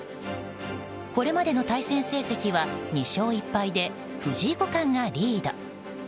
これまでの対戦成績は２勝１敗で藤井五冠がリード。